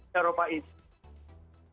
di eropa itu